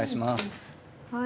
はい。